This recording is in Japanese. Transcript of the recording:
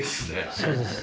そうです。